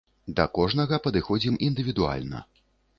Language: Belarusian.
Да кожнага падыходзім індывідуальна.